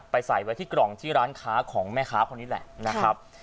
ใส่ไว้ที่กล่องที่ร้านค้าของแม่ค้าคนนี้แหละนะครับ